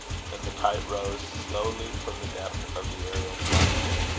and the kite rose slowly from the depth of the aërial flood.